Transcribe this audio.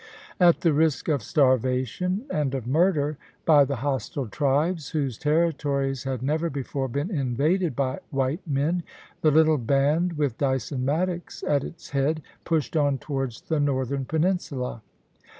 At the risk of starvation, and of murder by the hostile tribes, whose territories had never before been invaded by white men, the little band, with Dyson Maddox at its head, pushed on towards the northern peninsula.